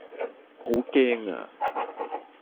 我好驚呀